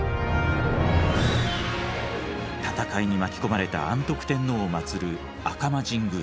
戦いに巻き込まれた安徳天皇を祭る赤間神宮。